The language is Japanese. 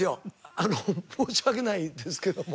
あの申し訳ないですけども。